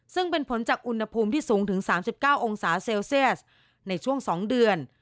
ซึ่งเป็นผลจากอุณหภูมิที่สูงถึง๓๙องศาเซลเซียสในช่วง๒เดือน